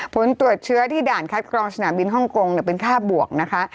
ผลตรวจเชื้อที่ด่านคัดกรองสนามบินฮ่องกงเป็นค่าบวกนะคะ